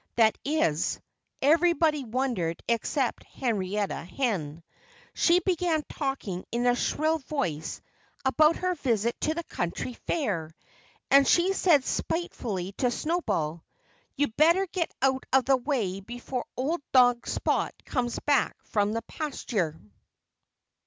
That is, everybody wondered except Henrietta Hen. She began talking in a shrill voice about her visit to the county fair. And she said spitefully to Snowball, "You'd better get out of the way before old dog Spot comes back from the pasture!"